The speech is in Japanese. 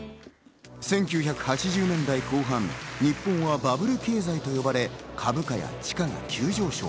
１９８０年代後半、日本はバブル経済と言われ株価や地価が急上昇。